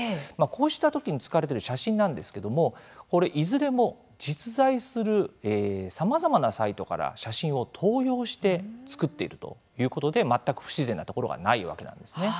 こうしたときに使われている写真なんですけれどもこれ、いずれも実在するさまざまなサイトから写真を盗用して作っているということで全く不自然なところがないわけなんですね。